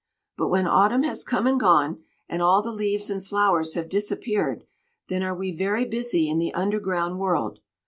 But when autumn has come and gone, and all the leaves and flowers have disappeared, then are we very busy in the underground world.